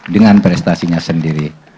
dengan prestasinya sendiri